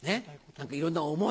何かいろんな思い。